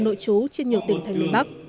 nội chú trên nhiều tỉnh thành miền bắc